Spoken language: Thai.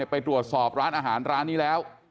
ไปตรวจสอบร้านอาหารร้านนี้แล้ว